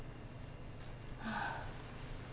ああ。